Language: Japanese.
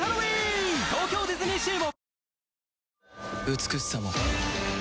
美しさも